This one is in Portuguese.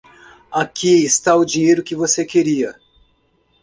Aqui está o dinheiro que você queria.